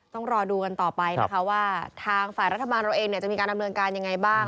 ต้องรอดูกันต่อไปนะคะว่าทางฝ่ายรัฐบาลเราเองจะมีการดำเนินการยังไงบ้าง